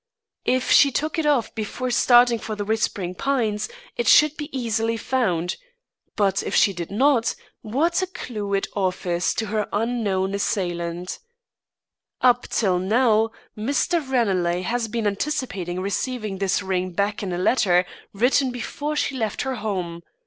If she took it off before starting for The Whispering Pines, it should be easily found. But if she did not, what a clew it offers to her unknown assailant! Up till now, Mr. Ranelagh has been anticipating receiving this ring back in a letter, written before she left her home.